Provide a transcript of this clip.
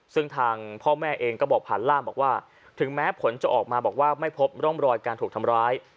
ซึ่งทางพ่อแม่เองก็บอกผ่านร่ามบอกว่าถึงแม้ผลจะออกมาบอกว่าไม่พบร่องรอยการถูกทำร้าย